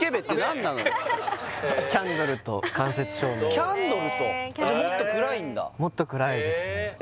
キャンドルと間接照明キャンドルとじゃあもっと暗いんだえ